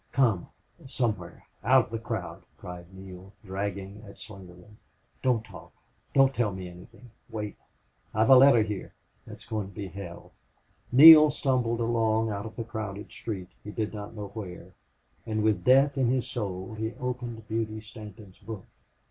"Come! Somewhere out of the crowd!" cried Neale, dragging at Slingerland. "Don't talk. Don't tell me anything. Wait!... I've a letter here that's going to be hell!" Neale stumbled along out of the crowded street, he did not know where, and with death in his soul he opened Beauty Stanton's book.